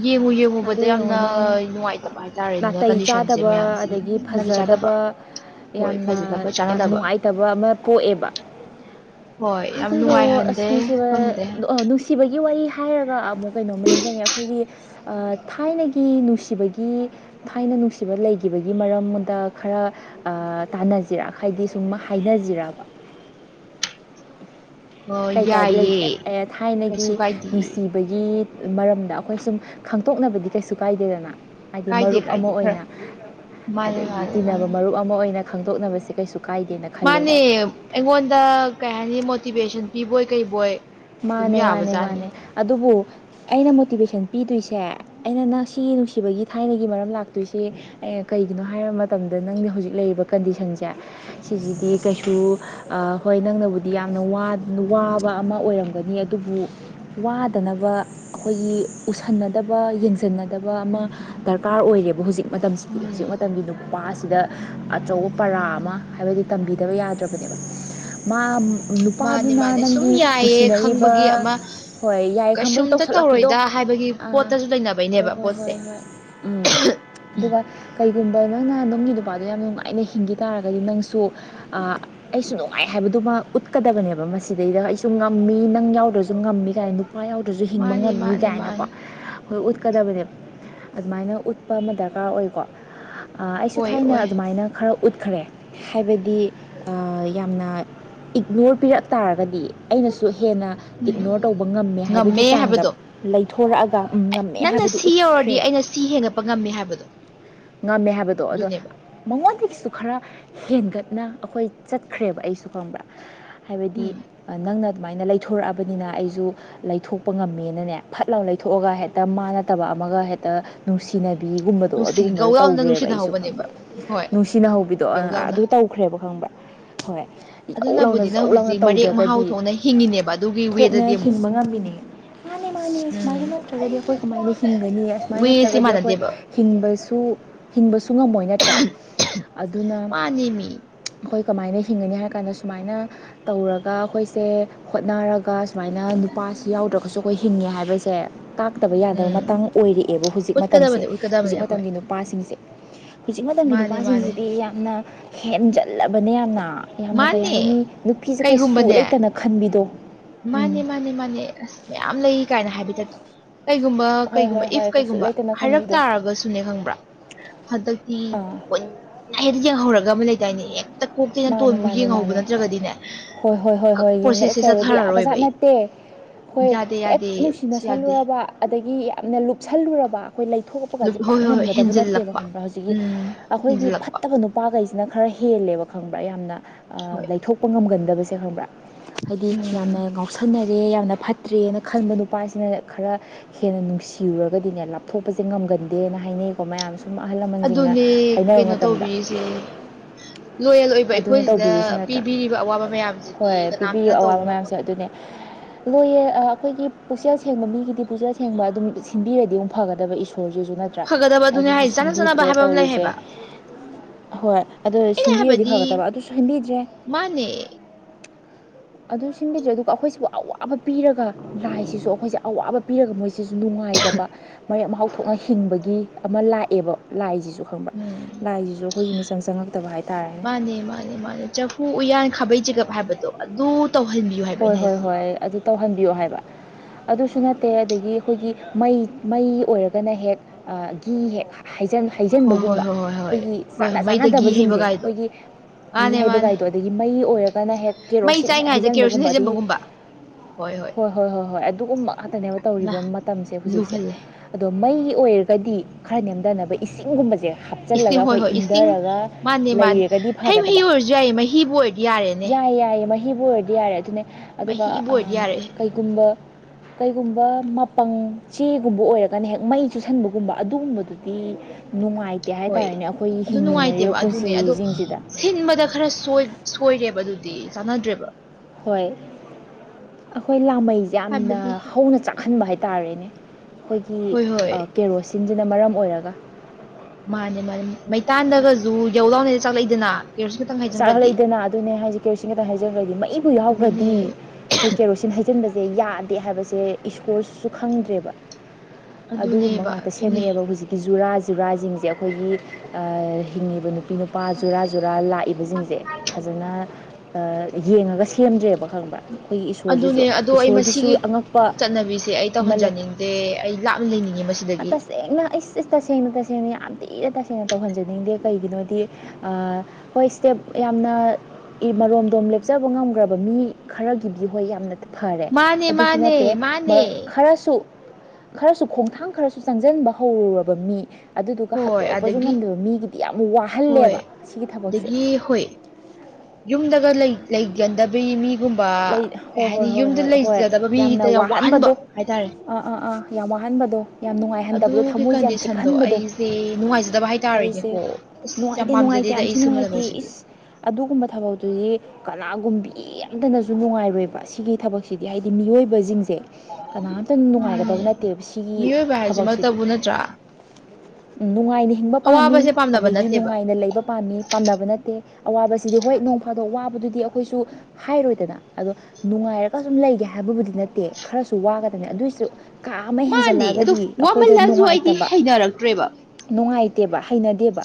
Speaker 1: ꯌꯦꯡꯉꯨ
Speaker 2: ꯑꯗꯨ
Speaker 1: ꯌꯦꯡꯉꯨꯕꯗ ꯌꯥꯝꯅ
Speaker 2: ꯌꯦꯡꯉꯨꯅꯦ
Speaker 1: ꯅꯨꯡꯉꯥꯏꯇꯕ ꯍꯥꯏꯇꯥꯔꯦꯅꯦ
Speaker 2: ꯅꯥꯇꯩ
Speaker 1: ꯀꯟꯗꯤꯁꯟꯁꯦ
Speaker 2: ꯆꯥꯗꯕ
Speaker 1: ꯃꯌꯥꯝꯁꯤ
Speaker 2: ꯑꯗꯒꯤ
Speaker 1: ꯅꯥꯔꯤ ꯆꯥꯗꯕ
Speaker 2: ꯐꯖꯗꯕ
Speaker 1: ꯍꯣꯏ
Speaker 2: ꯌꯥꯝꯅ
Speaker 1: ꯐꯖꯗꯕ
Speaker 2: ꯌꯥꯝ
Speaker 1: ꯆꯥꯟꯅꯗꯕ
Speaker 2: ꯅꯨꯡꯉꯥꯏꯇꯕ ꯑꯃ ꯄꯣꯛꯑꯦꯕ
Speaker 1: ꯍꯣꯏ ꯌꯥꯝ
Speaker 2: ꯑꯗꯨꯁ
Speaker 1: ꯅꯨꯡꯉꯥꯏꯍꯟꯗꯦ
Speaker 2: ꯁꯤ
Speaker 1: ꯈꯪꯗꯦ
Speaker 2: ꯅꯨꯡꯁꯤꯕꯒꯤ ꯋꯥꯔꯤ ꯍꯥꯏꯔꯒ ꯑꯃꯨꯛ ꯀꯩꯅꯣꯝꯃ ꯅꯤꯡꯁꯤꯡꯉꯦ ꯑꯩꯈꯣꯏꯒꯤ ꯊꯥꯏꯅꯒꯤ ꯅꯨꯡꯁꯤꯕꯒꯤ ꯊꯥꯏꯅ ꯅꯨꯡꯁꯤꯕ ꯂꯩꯈꯤꯕꯒꯤ ꯃꯔꯝꯗ ꯈꯔ ꯇꯥꯟꯅꯁꯤꯔꯛ ꯍꯥꯏꯗꯤ ꯁꯨꯝ ꯍꯥꯏꯅꯖꯔꯕ
Speaker 1: ꯑꯣ
Speaker 2: ꯀꯩ ꯀꯥꯏꯕ ꯂꯩꯒꯦ
Speaker 1: ꯌꯥꯏꯌꯦ
Speaker 2: ꯊꯥꯏꯅꯒꯤ
Speaker 1: ꯀꯩꯁꯨ ꯀꯥꯏꯗꯤꯌꯦ
Speaker 2: ꯅꯨꯡꯁꯤꯕꯒꯤ ꯃꯔꯝꯗ ꯑꯩꯈꯣꯏ ꯁꯨꯝ ꯈꯪꯇꯣꯛꯅꯕꯗꯤ ꯀꯩꯁꯨ ꯀꯥꯏꯗꯦꯗꯅ ꯍꯥꯏꯗꯤ
Speaker 1: ꯀꯥꯏꯗꯦ
Speaker 2: ꯃꯔꯨꯞ ꯑꯃ
Speaker 1: ꯀꯥꯏꯗꯦ ꯈꯔ
Speaker 2: ꯑꯣꯏꯅ
Speaker 1: ꯃꯥꯅꯦ
Speaker 2: ꯑꯗꯒꯤ
Speaker 1: ꯃꯥꯅꯦ
Speaker 2: ꯇꯤꯟꯅꯕ
Speaker 1: ꯃꯥꯅꯦ
Speaker 2: ꯃꯔꯨꯞ ꯑꯃ ꯑꯣꯏꯅ ꯈꯪꯗꯣꯛꯅꯕꯁꯦ ꯀꯩꯁꯨ ꯀꯥꯏꯗꯦꯅ
Speaker 1: ꯃꯥꯅꯦ
Speaker 2: ꯈꯜꯂꯦꯀꯣ
Speaker 1: ꯑꯩꯉꯣꯟꯗ ꯀꯩ ꯍꯥꯏꯅꯤ ꯃꯣꯇꯤꯚꯦꯁꯟ ꯄꯤꯕꯣꯏ ꯀꯩꯕꯣꯏ ꯑꯗꯨꯝ
Speaker 2: ꯃꯥꯅꯦ ꯃꯥꯅꯦ
Speaker 1: ꯌꯥꯕꯖꯥꯠꯅꯤ
Speaker 2: ꯃꯥꯅꯦ ꯑꯗꯨꯕꯨ ꯑꯩꯅ ꯃꯣꯇꯤꯚꯦꯁꯟ ꯄꯤꯗꯣꯏꯁꯦ ꯑꯩꯅ ꯉꯁꯤ ꯅꯨꯡꯁꯤꯕꯒꯤ ꯊꯥꯏꯅꯒꯤ ꯃꯔꯝ ꯂꯥꯛꯇꯣꯏꯁꯦ ꯑꯩꯅ ꯀꯩꯒꯤꯅꯣ ꯍꯥꯏꯕ ꯃꯇꯝꯗ ꯅꯪꯅ ꯍꯧꯖꯤꯛ ꯂꯩꯔꯤꯕ ꯀꯟꯗꯤꯁꯟꯁꯦ ꯁꯤꯁꯤꯗꯤ ꯀꯩꯁꯨ ꯍꯣꯏ ꯅꯪꯅꯕꯨꯗꯤ ꯌꯥꯝꯅ ꯋꯥꯕ ꯑꯃ ꯑꯣꯏꯔꯝꯒꯅꯤ ꯑꯗꯨꯕꯨ ꯋꯥꯗꯅꯕ ꯑꯩꯈꯣꯏꯒꯤ ꯎꯁꯟꯅꯗꯕ ꯌꯦꯡꯁꯤꯟꯅꯗꯕ ꯑꯃ ꯗꯔꯀꯥꯔ ꯑꯣꯏꯔꯦꯕ ꯍꯧꯖꯤꯛ ꯃꯇꯝꯁꯤ ꯍꯧꯖꯤꯛ
Speaker 1: ꯎꯝ
Speaker 2: ꯃꯇꯝꯒꯤ ꯅꯨꯄꯥ ꯁꯤꯗ ꯑꯆꯧꯕ ꯄꯔꯥ ꯑꯃ ꯍꯥꯏꯕꯗꯤ ꯇꯝꯕꯤꯗꯕ ꯌꯥꯗ꯭ꯔꯕꯅꯦꯕ
Speaker 1: ꯃꯥꯅꯦ
Speaker 2: ꯅꯨꯄꯥꯗꯨꯅ
Speaker 1: ꯃꯥꯅꯦ ꯁꯨꯝ
Speaker 2: ꯅꯪꯒꯤ
Speaker 1: ꯌꯥꯏꯌꯦ
Speaker 2: ꯅꯨꯡꯁꯤꯅꯔꯤꯕ
Speaker 1: ꯈꯪꯕꯒꯤ ꯑꯃ
Speaker 2: ꯍꯣꯏ ꯌꯥꯏꯈꯪꯕꯩ
Speaker 1: ꯀꯩꯁꯨꯝꯇ
Speaker 2: ꯇꯧꯁꯜꯂꯛꯄꯤꯗꯣ
Speaker 1: ꯇꯧꯔꯣꯏꯗ ꯍꯥꯏꯕꯒꯤ
Speaker 2: ꯑꯥ
Speaker 1: ꯄꯣꯠꯇꯁꯨ
Speaker 2: ꯍꯣꯏ
Speaker 1: ꯂꯩꯅꯕꯩꯅꯦꯕ
Speaker 2: ꯍꯣꯏ
Speaker 1: ꯄꯣꯠꯁꯦ
Speaker 2: ꯍꯣꯏ ꯍꯣꯏ ꯎꯝ ꯑꯗꯨꯒ ꯀꯩꯒꯨꯝ ꯍꯝꯕ ꯅꯪꯅ ꯅꯝꯒꯤ ꯅꯨꯗꯨꯄꯥꯗꯣ ꯌꯥꯝ ꯅꯨꯡꯉꯥꯏꯅ ꯍꯤꯡꯈꯤ ꯇꯥꯔꯒꯗꯤ ꯅꯪꯁꯨ ꯑꯩꯁꯨ ꯅꯨꯡꯉꯥꯏ ꯍꯥꯏꯕꯗꯨ ꯎꯠꯀꯗꯕꯅꯦꯕ ꯃꯁꯤꯗꯩꯗ ꯑꯩꯁꯨ ꯉꯝꯃꯤ ꯅꯪ ꯌꯥꯎꯗ꯭ꯔꯁꯨ ꯉꯝꯃꯤ ꯀꯥꯏꯅ ꯅꯨꯄꯥ ꯌꯥꯎꯗ꯭ꯔꯁꯨ ꯍꯤꯡꯕ
Speaker 1: ꯃꯥꯅꯦ
Speaker 2: ꯉꯝꯃꯤ
Speaker 1: ꯃꯥꯅꯦ
Speaker 2: ꯀꯥꯏꯅꯀꯣ
Speaker 1: ꯃꯥꯅꯦ
Speaker 2: ꯑꯩꯈꯣꯏ ꯎꯠꯀꯗꯕꯅꯦ ꯑꯗꯨꯃꯥꯏꯅ ꯎꯠꯄ ꯑꯃ ꯗꯔꯀꯥꯔ ꯑꯣꯏꯀꯣ ꯑꯩꯁꯨ
Speaker 1: ꯑꯣꯏ
Speaker 2: ꯊꯥꯏꯅ
Speaker 1: ꯑꯣꯏ
Speaker 2: ꯑꯗꯨꯃꯥꯏꯅ ꯈꯔ ꯎꯠꯈ꯭ꯔꯦ ꯍꯥꯏꯕꯗꯤ ꯌꯥꯝꯅ ꯏꯒꯅꯣꯔ ꯄꯤꯔꯛ ꯇꯥꯔꯒꯗꯤ ꯑꯩꯅꯁꯨ ꯍꯦꯟꯅ ꯏꯛꯅꯣꯔ
Speaker 1: ꯎꯝ
Speaker 2: ꯇꯧꯕ ꯉꯝꯃꯦ ꯍꯥꯏꯕꯒꯤ ꯆꯥꯡꯗ ꯂꯩꯊꯣꯔꯛꯑꯒ ꯉꯝꯃꯦ
Speaker 1: ꯅꯪꯅ
Speaker 2: ꯍꯥꯏꯕꯗꯨ
Speaker 1: ꯁꯤ ꯌꯧꯔꯗꯤ
Speaker 2: ꯎꯠꯈ꯭ꯔꯦꯕ
Speaker 1: ꯑꯩꯅ ꯁꯤ ꯍꯦꯟꯒꯠꯄ ꯉꯝꯃꯦ ꯍꯥꯏꯕꯗꯣ
Speaker 2: ꯉꯝꯃꯦ ꯍꯥꯏꯕꯗꯣ ꯑꯗꯣ
Speaker 1: ꯑꯗꯨꯅꯦꯕ
Speaker 2: ꯃꯉꯣꯟꯗꯒꯤꯁꯨ ꯈꯔ ꯍꯦꯟꯒꯠꯅ ꯑꯩꯈꯣꯏ ꯆꯠꯈ꯭ꯔꯦꯕ ꯑꯩꯁꯨ ꯈꯪꯕ꯭ꯔꯥ ꯍꯥꯏꯕꯗꯤ
Speaker 1: ꯎꯝ
Speaker 2: ꯅꯪꯅ ꯑꯗꯨꯃꯥꯏꯅ ꯂꯩꯊꯣꯔꯛꯑꯕꯅꯤꯅ ꯑꯩꯁꯨ ꯂꯩꯊꯣꯛꯄ ꯉꯝꯃꯦꯅꯅꯦ ꯐꯠꯂꯥꯎ ꯂꯩꯊꯣꯛꯑꯒ ꯍꯦꯛꯇ ꯃꯥ ꯃꯥꯅꯠꯇꯕ ꯑꯃꯒ ꯍꯦꯛꯇ ꯅꯨꯡꯁꯤꯅꯕꯤꯒꯨꯝꯕꯗꯣ ꯑꯗꯨꯒꯨꯝꯕꯗꯣ
Speaker 1: ꯅꯨꯡꯁꯤꯒꯧ ꯂꯥꯎꯅ
Speaker 2: ꯇꯧꯈ꯭ꯔꯦꯕ ꯑꯩꯁꯨ
Speaker 1: ꯅꯨꯡꯁꯤꯅꯍꯧꯕꯅꯦꯕ
Speaker 2: ꯈꯪꯕ꯭ꯔꯥ
Speaker 1: ꯍꯣꯏ
Speaker 2: ꯅꯨꯡꯁꯤꯅ ꯍꯧꯕꯤꯗꯣ
Speaker 1: ꯌꯧ ꯂꯥꯎꯅ
Speaker 2: ꯑꯗꯨ ꯇꯧꯈ꯭ꯔꯦꯕ ꯈꯪꯕ꯭ꯔ ꯍꯣꯏ ꯖꯧ
Speaker 1: ꯑꯗꯨꯅꯕꯨꯗꯤ ꯅꯪ
Speaker 2: ꯂꯥꯎꯅꯖꯧ ꯂꯥꯎꯅ
Speaker 1: ꯍꯧꯖꯤꯛ ꯃꯔꯦꯛ
Speaker 2: ꯇꯧꯗ꯭ꯔꯒ
Speaker 1: ꯃꯍꯥꯎ
Speaker 2: ꯗꯤ
Speaker 1: ꯊꯣꯛꯅ ꯍꯤꯡꯉꯤꯅꯦꯕ ꯑꯗꯨꯒꯤ ꯋꯦꯗꯗꯤ
Speaker 2: ꯊꯣꯛꯅ
Speaker 1: ꯑꯃꯨꯛ
Speaker 2: ꯍꯤꯡꯕ ꯉꯝꯃꯤꯅꯤꯉ ꯃꯥꯅꯤ ꯃꯥꯅꯤ ꯑꯨꯃꯥꯏꯅ
Speaker 1: ꯎꯝ
Speaker 2: ꯅꯠꯇ꯭ꯔꯒꯗꯤ ꯑꯩꯈꯣꯏ ꯀꯃꯥꯏꯅ ꯍꯤꯡꯒꯅꯤ ꯑꯁꯨꯃꯥꯏꯅ
Speaker 1: ꯋꯦꯁꯤ
Speaker 2: ꯅꯠꯇ꯭ꯔꯒꯗꯤ ꯑꯩꯈꯣꯏ
Speaker 1: ꯃꯥꯟꯅꯗꯦꯕ
Speaker 2: ꯍꯤꯡꯕꯁꯨ ꯍꯤꯡꯕꯁꯨ ꯉꯝꯃꯣꯏ ꯅꯠꯇ꯭ꯔꯥ ꯑꯗꯨꯅ
Speaker 1: ꯃꯥꯅꯤ ꯃꯤ
Speaker 2: ꯑꯩꯈꯣꯏ ꯀꯃꯥꯏꯅ ꯍꯤꯡꯒꯅꯤ ꯍꯥꯏꯔ ꯀꯥꯟꯗ ꯁꯨꯃꯥꯏꯅ ꯇꯧꯔꯒ ꯑꯩꯈꯣꯏꯁꯦ ꯍꯣꯠꯅꯔꯒ ꯁꯨꯃꯥꯏꯅ ꯅꯨꯄꯥꯁꯤ ꯌꯥꯎꯗ꯭ꯔꯒꯁꯨ ꯑꯩꯈꯣꯏ ꯍꯤꯡꯉꯦ ꯍꯥꯏꯕꯁꯦ ꯇꯥꯛꯇꯕ ꯌꯥꯗꯕ
Speaker 1: ꯎꯝ
Speaker 2: ꯃꯇꯥꯡ ꯑꯣꯏꯔꯛꯑꯦꯕ ꯍꯧꯖꯤꯛ
Speaker 1: ꯎꯠꯀꯗꯕꯅꯤ
Speaker 2: ꯃꯇꯝꯁꯦ
Speaker 1: ꯎꯠꯀꯗꯕꯅꯤ
Speaker 2: ꯍꯧꯖꯤꯛ
Speaker 1: ꯑꯩꯈꯣꯏ
Speaker 2: ꯃꯇꯝꯒꯤ ꯅꯨꯄꯥꯁꯤꯡꯁꯦ ꯍꯧꯖꯤꯛ ꯃꯇꯝꯒꯤ
Speaker 1: ꯃꯥꯅꯦ ꯃꯥꯅꯦ
Speaker 2: ꯅꯨꯄꯥꯁꯤꯡꯁꯤꯗꯤ ꯌꯥꯝꯅ ꯍꯦꯟꯖꯜꯂꯕꯅꯦ ꯌꯥꯝꯅ ꯌꯥꯝꯅ ꯀꯩ
Speaker 1: ꯃꯥꯅꯦ
Speaker 2: ꯍꯥꯏꯅꯤ ꯅꯨꯄꯤꯁꯦ ꯀꯩꯁꯨ
Speaker 1: ꯀꯩꯒꯨꯝꯕꯅꯦ
Speaker 2: ꯂꯩꯇꯅ ꯈꯟꯕꯤꯗꯣ ꯎꯝ
Speaker 1: ꯃꯥꯅꯦ ꯃꯥꯅꯤ ꯃꯥꯅꯦ ꯑꯁ ꯃꯌꯥꯝ ꯂꯩ ꯀꯥꯏꯅ ꯍꯥꯏꯕꯤꯗ ꯀꯩꯒꯨꯝꯕ
Speaker 2: ꯍꯣꯏ
Speaker 1: ꯀꯩꯒꯨꯝꯕ
Speaker 2: ꯍꯣꯏ
Speaker 1: ꯏꯐ
Speaker 2: ꯍꯣꯏ ꯀꯩꯁꯨ
Speaker 1: ꯀꯩꯒꯨꯝꯕ
Speaker 2: ꯂꯩꯇꯅ
Speaker 1: ꯍꯥꯏꯔꯛ
Speaker 2: ꯈꯟꯕꯤꯗꯣ
Speaker 1: ꯇꯥꯔꯕꯁꯨꯅꯦ ꯈꯪꯕ꯭ꯔꯥ ꯍꯟꯗꯛꯇꯤ
Speaker 2: ꯑꯥ
Speaker 1: ꯄꯨꯟꯅ ꯍꯦꯛꯇ ꯌꯦꯡꯍꯧꯔꯒ ꯑꯃ ꯂꯩꯗꯥꯏꯅꯦ ꯍ
Speaker 2: ꯃꯥꯅꯤ ꯃꯥꯅꯤ ꯃꯥꯅꯤ ꯍꯣꯏ ꯍꯣꯏ ꯍꯣꯏ ꯍꯣꯏ ꯌꯦꯡ
Speaker 1: ꯄ꯭ꯔꯣꯁꯦꯁꯁꯦ
Speaker 2: ꯑꯗꯨꯗꯤ
Speaker 1: ꯆꯠꯊꯔꯔꯣꯏꯕ
Speaker 2: ꯌꯥꯝꯕꯖꯥꯠ
Speaker 1: ꯑꯩ
Speaker 2: ꯅꯠꯇꯦ ꯑꯩꯈꯣꯏ
Speaker 1: ꯌꯥꯗꯦ
Speaker 2: ꯍꯦꯛ
Speaker 1: ꯌꯥꯗꯦ
Speaker 2: ꯅꯨꯡꯁꯤꯅ
Speaker 1: ꯁꯤ ꯌꯥꯗꯦ
Speaker 2: ꯁꯜꯂꯨꯔꯕ ꯑꯗꯒꯤ ꯌꯥꯝꯅ ꯂꯨꯞꯁꯜꯂꯨꯔꯕ ꯑꯩꯈꯣꯏ ꯂꯩꯊꯣꯛꯄꯒꯁꯦ
Speaker 1: ꯂꯨꯞ-
Speaker 2: ꯄꯥꯛ
Speaker 1: ꯍꯣꯏ ꯍꯣꯏ ꯍꯣꯏ
Speaker 2: ꯉꯝꯒꯗꯕ ꯅꯠꯇꯦꯕ
Speaker 1: ꯍꯦꯟꯖꯤꯜꯂꯛꯄ
Speaker 2: ꯈꯟꯕ꯭ꯔꯥ ꯍꯧꯖꯤꯛꯀꯤ
Speaker 1: ꯎꯝ
Speaker 2: ꯑꯩꯈꯣꯏꯒꯤ
Speaker 1: ꯍꯦꯟꯖꯤꯜꯂꯛꯄ
Speaker 2: ꯐꯠꯇꯕ ꯅꯨꯄꯥꯈꯩꯁꯤꯅ ꯈꯔ ꯂꯩꯦꯕ ꯈꯪꯕ꯭ꯔꯥ ꯌꯥꯝꯅ
Speaker 1: ꯍꯣꯏ
Speaker 2: ꯂꯩꯊꯣꯛꯄ ꯉꯝꯒꯟꯗꯕꯁꯦ ꯈꯪꯕ꯭ꯔꯥ ꯍꯥꯏꯗꯤ ꯌꯥꯝꯅ
Speaker 1: ꯎꯝ
Speaker 2: ꯉꯥꯎꯁꯟꯅ ꯦ ꯌꯥꯝꯅ ꯐꯠꯇ꯭ꯔꯦꯅ ꯈꯟꯕ ꯅꯨꯄꯥꯁꯤꯅ ꯈꯔ ꯍꯦꯟꯅ ꯅꯨꯡꯁꯤꯔꯨꯔꯒꯗꯤꯅꯦ ꯂꯥꯞꯊꯣꯛꯄꯁꯦ ꯉꯝ ꯟꯗꯦꯅ ꯍꯥꯏꯣ ꯃꯌꯥꯝ ꯁꯨꯝ ꯑꯍꯜ ꯂꯃꯟꯁꯤꯡꯅ
Speaker 1: ꯑꯗꯨꯅꯦ
Speaker 2: ꯍꯥꯏꯅꯕ
Speaker 1: ꯀꯩꯅꯣ
Speaker 2: ꯃꯇꯝꯗ
Speaker 1: ꯇꯧꯕꯤꯔꯤꯁꯦ ꯂꯣꯌꯦꯜ ꯑꯣꯏꯕ
Speaker 2: ꯑꯗꯨꯅ ꯇꯧꯕꯤꯔꯨꯁ
Speaker 1: ꯑꯩꯈꯣꯏꯁꯤꯗ
Speaker 2: ꯅꯠꯇ꯭ꯔꯥ
Speaker 1: ꯄꯤꯕꯤꯔꯤꯕ ꯑꯋꯥꯕ
Speaker 2: ꯍꯣꯏ
Speaker 1: ꯃꯌꯥꯝꯁꯤꯗꯤ
Speaker 2: ꯄꯤꯕꯤꯌꯨ
Speaker 1: ꯀꯅꯥꯝꯇꯅ ꯇꯧꯕ
Speaker 2: ꯑꯋꯥꯕ
Speaker 1: ꯉꯝꯃꯣꯏ
Speaker 2: ꯃꯌꯥꯝꯁꯨꯦ ꯑꯗꯨꯅꯦ ꯂꯣꯏꯌꯦ ꯑꯩꯈꯣꯏꯒꯤ ꯄꯨꯛꯆꯦꯜ ꯁꯦꯡꯕ ꯃꯤꯒꯤꯗꯤ ꯄꯨꯛꯆꯦꯜ ꯁꯦꯡꯕ ꯑꯗꯨꯝ ꯁꯤꯟꯕꯤꯔꯗꯤ ꯑꯃꯨꯛ ꯐꯒꯗꯕ ꯏꯁꯣꯔ ꯁꯣꯔꯁꯤꯁꯨ ꯅꯠꯇ꯭ꯔꯥ
Speaker 1: ꯐꯒꯗꯕ ꯑꯗꯨꯅꯦ
Speaker 2: ꯑꯗꯨꯁꯨ
Speaker 1: ꯍꯥꯏ ꯆꯥꯟꯅ ꯆꯥꯟꯅꯕ
Speaker 2: ꯁꯤꯟꯕꯤꯗ꯭ꯔꯦ
Speaker 1: ꯍꯥꯏꯕ ꯑꯃ ꯂꯩ
Speaker 2: ꯇꯧꯔꯤꯁꯦ
Speaker 1: ꯍꯥꯏꯕ
Speaker 2: ꯍꯣꯏ ꯑꯗꯨ
Speaker 1: ꯑꯩꯅ
Speaker 2: ꯁꯦꯝꯕꯤꯔꯗꯤ
Speaker 1: ꯍꯥꯏꯕꯗꯤ
Speaker 2: ꯐꯒꯗꯕ ꯑꯗꯨꯁꯨ ꯁꯦꯝꯕꯤꯗ꯭ꯔꯦ
Speaker 1: ꯃꯥꯅꯦ
Speaker 2: ꯑꯗꯨ ꯁꯤꯟꯈꯤꯗ꯭ꯔꯦ ꯑꯗꯨꯒ ꯑꯩꯈꯣꯏꯁꯤꯕꯨ ꯑꯋꯥꯕ ꯄꯤꯔꯒ ꯂꯥꯏꯁꯤꯁꯨ ꯑꯩꯈꯣꯏꯁꯦ ꯑꯋꯥꯕ ꯄꯤꯔꯒ ꯃꯣꯏꯁ ꯁꯤꯁꯨ ꯅꯨꯡꯉꯥꯏꯖꯕ ꯃꯔꯦꯛ ꯃꯍꯥꯎ ꯊꯣꯛꯅ ꯍꯤꯡꯕꯒꯤ ꯑꯃ ꯂꯥꯛꯑꯦꯕ ꯂꯥꯏꯁꯤꯁꯨ ꯁꯁꯨ ꯈꯪꯕ
Speaker 1: ꯎꯝ
Speaker 2: ꯂꯥꯏꯁꯤꯁꯨ ꯑꯩꯈꯣꯏꯒꯤ ꯃꯤꯆꯪ ꯆꯪꯉꯛꯇꯕ ꯍꯥꯏꯇꯥꯔꯦ
Speaker 1: ꯃꯥꯅꯦ ꯃꯥꯅꯦ ꯃꯥꯅꯦ ꯆꯐꯨ ꯎꯌꯥꯟ ꯈꯥꯕꯩ ꯆꯤꯒꯞ ꯍꯥꯏꯕꯗꯣ ꯑꯗꯨ ꯇꯧꯍꯟꯕꯤꯌꯨ ꯍꯥꯏꯕ
Speaker 2: ꯍꯣꯏ
Speaker 1: ꯑꯩꯅ
Speaker 2: ꯍꯣꯏ
Speaker 1: ꯍꯥꯏꯁꯦ
Speaker 2: ꯍꯣꯏ ꯑꯗꯨ ꯇꯧꯍꯟꯕꯤꯌꯣ ꯍꯥꯏꯕ ꯑꯗꯨꯁꯨ ꯅꯠꯇꯦ ꯑꯗꯒꯤ ꯑꯩꯈꯣꯏꯒꯤ ꯃꯩ ꯃꯩ ꯑꯣꯏꯔꯒꯅ ꯍꯦꯛ ꯘꯤ ꯍꯦꯛ
Speaker 1: ꯍꯣꯏ ꯍꯣꯏ
Speaker 2: ꯍꯩꯖꯤꯟꯕꯒꯨꯝꯕ
Speaker 1: ꯍꯣꯏ ꯍꯣꯏ ꯍꯣꯏ
Speaker 2: ꯑꯩꯈꯣꯏꯒꯤ
Speaker 1: ꯍꯣꯏ ꯍꯣꯏ
Speaker 2: ꯆꯥꯟꯅ
Speaker 1: ꯃꯩꯗ ꯘꯤ
Speaker 2: ꯆꯥꯟꯅꯗꯕꯁꯤꯡꯁꯦ
Speaker 1: ꯍꯩꯕꯒꯥꯏꯗꯣ
Speaker 2: ꯑꯩꯈꯣꯏꯒꯤ ꯒꯤ
Speaker 1: ꯃꯥꯅꯦ
Speaker 2: ꯍꯩꯕ
Speaker 1: ꯃꯥꯅꯦ
Speaker 2: ꯀꯥꯏꯗꯣ ꯑꯗꯒꯤ ꯃꯩ ꯑꯣꯏꯔꯒꯅ ꯍꯦꯛ ꯀꯦꯔꯣ
Speaker 1: ꯃꯩ
Speaker 2: ꯁꯤꯅ ꯍꯦꯛ
Speaker 1: ꯆꯥꯏꯉꯥꯏꯗ ꯀꯦꯔꯣꯁꯤꯟ
Speaker 2: ꯍꯩꯖꯤꯟꯕꯒꯨꯝ ꯨꯝꯗꯤ
Speaker 1: ꯍꯩꯖꯤꯟꯕꯒꯨꯝꯕ
Speaker 2: ꯍꯣꯏ ꯍꯣꯏ ꯍꯣꯏ ꯍꯣꯏ ꯉꯅꯦ
Speaker 1: ꯅ
Speaker 2: ꯇꯧ ꯃꯇꯝꯦ ꯍꯧꯦ
Speaker 1: ꯂꯨꯍꯜꯂꯦ
Speaker 2: ꯑ ꯃꯩ ꯑꯣꯏꯔꯒꯗꯤ ꯈꯔ ꯅꯦꯝꯊꯅꯕ ꯏꯁꯤꯡꯒꯨꯝꯕꯁꯦ
Speaker 1: ꯏꯁꯤꯡ
Speaker 2: ꯍꯥꯞꯆꯤꯜꯂꯒ
Speaker 1: ꯍꯣꯏ
Speaker 2: ꯑꯩꯈꯣꯏ
Speaker 1: ꯍꯣꯏ ꯏꯁꯤꯡ
Speaker 2: ꯏꯪꯊꯔꯒ
Speaker 1: ꯃꯥꯅꯦ ꯃꯥꯅꯦ
Speaker 2: ꯂꯩꯔꯒꯗꯤ
Speaker 1: ꯍꯩ ꯃꯍꯤ
Speaker 2: ꯐꯒꯗꯕ
Speaker 1: ꯑꯣꯏꯔꯁꯨ ꯌꯥꯏꯌꯦ ꯃꯍꯤꯕꯨ ꯑꯣꯏꯔꯗꯤ ꯌꯥꯔꯦꯅꯦ
Speaker 2: ꯌꯥꯌꯦ ꯌꯥꯏꯌꯦ ꯃꯍꯤꯕꯨ ꯑꯣꯏꯔꯗꯤ ꯌꯥꯔꯦ ꯑꯗꯨꯅꯦ ꯑꯗꯨꯒ
Speaker 1: ꯃꯍꯤꯕꯨ ꯑꯣꯏꯔꯗꯤ ꯌꯥꯔꯦ
Speaker 2: ꯀꯩꯒꯨꯝꯕ ꯀꯩꯒꯨꯝꯕ ꯃꯄꯪ ꯆꯦꯒꯨꯝꯕ ꯑꯣꯏꯔꯒꯅ ꯍꯦꯛ ꯃꯩ ꯆꯨꯁꯟꯕꯒꯨꯝꯕ ꯑꯗꯨꯒꯨꯝꯕꯗꯨꯗꯤ ꯅꯨꯡꯉꯥꯏ
Speaker 1: ꯍꯣꯏ ꯑꯗꯨ ꯅꯨꯡꯉꯥꯏꯇꯦꯕ ꯑꯗꯨꯅꯦ ꯑꯗꯣ
Speaker 2: ꯄꯨꯟꯁꯤꯁꯤꯡꯁꯤꯗ
Speaker 1: ꯁꯤꯟꯕꯗ ꯈꯔ ꯁꯣꯏꯔꯦꯕ ꯑꯗꯨꯗꯤ ꯆꯥꯟꯅꯗ꯭ꯔꯦꯕ
Speaker 2: ꯍꯣꯏ ꯑꯩꯈꯣꯏ ꯂꯥꯃꯩꯁꯦ ꯌꯥꯝꯅ
Speaker 1: ꯍꯥꯏꯕꯗꯤ
Speaker 2: ꯍꯧꯅ ꯆꯥꯛ ꯈꯟꯕ ꯍꯥꯏꯇꯥꯔꯦꯅꯦ ꯑꯩꯈꯣꯏꯒꯤ
Speaker 1: ꯍꯣꯏ ꯍꯣꯏ
Speaker 2: ꯀꯦꯔꯣꯁꯤꯟꯁꯤꯅ ꯃꯔꯝ ꯑꯣꯏꯔꯒ
Speaker 1: ꯃꯥꯅꯤ ꯃꯥꯅꯦ ꯃꯩꯇꯥꯟꯗꯒꯁꯨ ꯌꯧꯗꯥꯎꯅꯤꯗ ꯆꯥꯛꯂꯛꯏꯗꯅ ꯀꯦꯔꯣꯁꯤꯟ ꯈꯤꯇꯪ ꯍꯩꯖꯤꯟꯈ꯭ꯔꯗꯤ
Speaker 2: ꯆꯥꯛꯍꯜꯂꯛꯏꯗꯅ ꯑꯗꯨꯅꯦ ꯍꯥꯏꯁꯦ ꯀꯦꯔꯣꯁꯤꯟ ꯈꯛꯇꯪ ꯍꯥꯏꯖꯈ꯭ꯔꯗꯤ ꯃꯩꯕꯨ
Speaker 1: ꯑꯗꯨꯅꯦ
Speaker 2: ꯌꯥꯎꯈ꯭ꯔꯗꯤ ꯑꯩꯈꯣꯏ ꯀꯦꯔꯣꯁꯤꯟ ꯆꯤꯟꯕꯁꯦ ꯌꯥꯗꯦ ꯍꯥꯏꯕꯁꯦ ꯏꯁꯣꯔꯁꯨ ꯈꯪꯗ꯭ꯔꯦꯕ ꯑꯗꯨꯒꯨꯝꯕ
Speaker 1: ꯑꯗꯨꯅꯦꯕ
Speaker 2: ꯉꯥꯛꯇ
Speaker 1: ꯑꯗꯨꯅꯦ
Speaker 2: ꯁꯦꯝꯃꯛꯑꯦꯕ ꯍꯧꯖꯤꯛꯀꯤ ꯖꯨꯔꯥ ꯖꯨꯔꯥꯁꯤꯡꯁꯦ ꯑꯩꯈꯣꯏꯒꯤ ꯍꯤꯡꯉꯤꯕ ꯅꯨꯄꯤ ꯅꯨꯄꯥ ꯖꯨꯔꯥ ꯖꯨꯔꯥ ꯂꯥꯛ ꯏꯕꯁꯤꯡꯁꯦ ꯐꯖꯅ ꯌꯦꯡꯉꯒ ꯁꯦꯝꯗ꯭ꯔꯦꯕ ꯈꯪꯕ꯭ꯔꯥ ꯑꯩꯈꯣꯏꯒꯤ
Speaker 1: ꯑꯗꯨꯅꯦ
Speaker 2: ꯏꯁꯣꯔꯁꯤꯁꯨ
Speaker 1: ꯑꯗꯣ ꯑꯩ
Speaker 2: ꯏꯁꯣꯔꯒꯤꯁꯨ
Speaker 1: ꯃꯁꯤꯒꯤ
Speaker 2: ꯑꯉꯛꯄ
Speaker 1: ꯆꯠꯅꯕꯤꯁꯦ ꯑꯩ
Speaker 2: ꯑꯃ ꯂꯩ
Speaker 1: ꯇꯧꯍꯟꯖꯅꯤꯡꯗꯦ ꯑꯩ ꯂꯥꯞꯅ ꯂꯩꯅꯤꯡꯉꯦ ꯃꯁꯤꯗꯒꯤ
Speaker 2: ꯇꯁꯦꯡꯅ ꯏꯁ ꯏꯁ ꯇꯁꯦꯡꯅ ꯇꯁꯦꯡꯅ ꯌꯥꯝ ꯊꯤꯅ ꯇꯁꯦꯡꯅ ꯇꯧꯍꯟꯖꯅꯤꯡꯗꯦ ꯀꯩꯒꯤꯅꯣꯗꯤ ꯍꯣꯏ ꯁ꯭ꯇꯦꯞ ꯌꯥꯝꯅ ꯃꯔꯣꯝꯗꯣꯝ ꯂꯦꯞꯆꯕ ꯉꯝꯈ꯭ꯔꯕ ꯃꯤ ꯈꯔꯒꯤꯗꯤ ꯍꯣꯏ ꯌꯥꯝꯅ ꯐꯔꯦ
Speaker 1: ꯃꯥꯅꯦ
Speaker 2: ꯑꯗꯨꯁꯨ
Speaker 1: ꯃꯥꯅꯦ
Speaker 2: ꯅꯠꯇꯦ
Speaker 1: ꯃꯥꯅꯦ
Speaker 2: ꯈꯔꯁꯨ ꯈꯔꯁꯨ ꯈꯣꯡꯊꯥꯡ ꯈꯔꯁꯨ ꯆꯪꯁꯤꯟꯕ ꯍꯧꯔꯨꯔꯕ ꯃꯤ ꯑꯗꯨꯗꯨꯒ
Speaker 1: ꯍꯣꯏ
Speaker 2: ꯍꯠꯇꯣꯔꯛꯄꯁꯨ
Speaker 1: ꯑꯗꯒꯤ
Speaker 2: ꯉꯝꯗꯕ ꯃꯤꯒꯤꯗꯤ ꯌꯥꯝ ꯋꯥꯍꯜꯂꯦꯕ ꯁꯤꯒꯤ ꯊꯕꯛꯁꯦ
Speaker 1: ꯍ ꯌꯨꯝꯗꯒ ꯂꯩ ꯂꯩꯒꯟꯗꯕꯒꯤ ꯃꯤ ꯑꯗꯨꯒꯨꯝꯕ
Speaker 2: ꯂꯩ
Speaker 1: ꯀꯩ
Speaker 2: ꯍꯣꯏ
Speaker 1: ꯍꯥꯏꯅꯤ
Speaker 2: ꯍꯣꯏ ꯍꯣꯏ
Speaker 1: ꯌꯨꯝꯗ
Speaker 2: ꯍꯣꯏ ꯍꯣꯏ
Speaker 1: ꯂꯩꯖꯗꯕ ꯃꯤꯗ
Speaker 2: ꯌꯥꯝꯅ
Speaker 1: ꯌꯥꯝ ꯋꯥꯍꯟꯕ
Speaker 2: ꯋꯥꯍꯟꯕꯗꯣ
Speaker 1: ꯍꯥꯏꯇꯥꯔꯦ
Speaker 2: ꯑꯥ ꯑꯥ ꯑꯥ ꯌꯥꯝ ꯋꯥꯍꯟꯕꯗꯣ ꯌꯥꯝ ꯅꯨꯡꯉꯥꯏꯍꯟꯗꯕꯗꯣ
Speaker 1: ꯑꯗꯨꯒꯤ
Speaker 2: ꯊꯃꯣꯏꯁꯦ ꯌꯥꯝ
Speaker 1: ꯀꯟꯗꯤꯁꯟꯗꯣ
Speaker 2: ꯆꯤꯛꯍꯟꯕꯗꯣ
Speaker 1: ꯑꯩꯁꯦ ꯅꯨꯡꯉꯥꯏꯖꯗꯕ ꯍꯥꯏꯇꯥꯔꯦ ꯀꯣ
Speaker 2: ꯑꯩꯁꯦ
Speaker 1: ꯑꯁ ꯌꯥꯝ
Speaker 2: ꯅꯨꯡꯉꯥꯏꯇꯦ ꯅꯨꯡꯉꯥꯏꯇꯦ
Speaker 1: ꯄꯥꯝꯖꯗꯦꯗ
Speaker 2: ꯌꯥꯝ ꯊꯤ
Speaker 1: ꯑꯩꯁꯨꯃ
Speaker 2: ꯅꯨꯡꯉꯥꯏꯇꯦ
Speaker 1: ꯍꯥꯏꯁꯤꯗꯤꯦ
Speaker 2: ꯏꯁ ꯑꯗꯨꯒꯨꯝꯕ ꯊꯕ ꯑꯗꯨꯗꯤ ꯀꯂꯥꯒꯨꯝꯕꯤ ꯑꯝꯇꯅꯁꯨ ꯅꯨꯡꯉꯥꯏꯔꯣꯏꯕ ꯁꯤꯒꯤ ꯊꯕꯛꯁꯤꯗꯤ ꯍꯥꯏꯗꯤ ꯃꯤꯑꯣꯏꯕꯁꯤꯡꯁꯦ ꯀꯅꯥꯝꯇ ꯅꯨꯡꯉꯥꯏꯒꯗꯕ
Speaker 1: ꯃꯥꯅꯦ
Speaker 2: ꯅꯠꯇꯦꯕ ꯁꯤꯒꯤ
Speaker 1: ꯃꯤꯑꯣꯏꯕ
Speaker 2: ꯊꯕꯛꯁꯤꯗꯤ
Speaker 1: ꯍꯥꯏꯁꯤꯃꯛꯇꯕꯨ ꯅꯠꯇ꯭ꯔꯥ
Speaker 2: [inaudible] ꯅꯨꯡꯉꯥꯏꯅ ꯍꯤꯡꯕ ꯄꯥꯝꯃꯤ
Speaker 1: ꯑꯋꯥꯕꯁꯦ ꯄꯥꯝꯅꯕ
Speaker 2: ꯑꯗꯒꯤ
Speaker 1: ꯅꯠꯇꯦꯕ
Speaker 2: ꯅꯨꯡꯉꯥꯏꯅ ꯂꯩꯕ ꯄꯥꯝꯃꯤ ꯄꯥꯝꯅꯕ ꯅꯠꯇꯦ ꯑꯋꯥꯕꯁꯤꯗꯤ ꯍꯣꯏ ꯅꯣꯡ ꯐꯥꯗꯣꯛ ꯋꯥꯕꯗꯨꯗꯤ ꯑꯩꯈꯣꯏꯁꯨ ꯍꯥꯏꯔꯣꯏꯗꯅ ꯑꯗꯣ ꯅꯨꯡꯉꯥꯏꯔꯒ ꯁꯨꯝ ꯂꯩꯒꯦ ꯍꯥꯏꯕꯕꯨꯗꯤ ꯅꯠꯇꯦ ꯈꯔꯁꯨ ꯋꯥꯒꯗꯅꯤ ꯑꯗꯨꯏꯁꯨ ꯀꯥ ꯑꯃ
Speaker 1: ꯃꯥꯅꯦ ꯑꯗꯨ
Speaker 2: ꯍꯦꯟꯖꯜꯂꯛꯑꯒꯗꯤ ꯑꯩꯈꯣꯏꯗ
Speaker 1: ꯋꯥꯃꯜꯂꯁꯨ ꯑꯩꯗꯤ
Speaker 2: ꯅꯨꯡꯉꯥꯏꯇꯕ
Speaker 1: ꯍꯩꯅꯔꯛꯇ꯭ꯔꯦꯕ
Speaker 2: ꯅꯨꯡꯉꯥꯏ ꯇꯦꯕ ꯍꯩꯅꯗꯦꯕ